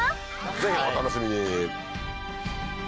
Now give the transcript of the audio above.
ぜひお楽しみに。